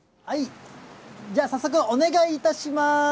じゃあ、早速、お願いいたします。